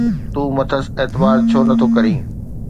تون مٿس اعتبار ڇو نٿو ڪرين؟